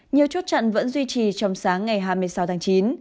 nhiều chốt chặn vẫn duy trì trong sáng ngày hai mươi sáu tháng chín